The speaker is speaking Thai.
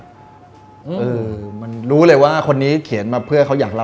เวลาคุณพูดถึงงานนี้มันมีประกายนะ